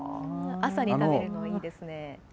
朝に食べるのにいいですね。